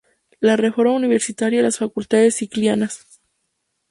La reforma universitaria y las facultades sicilianas.